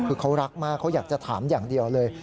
คือเขารักมากเขาอยากจะถามอย่างเดียวเลย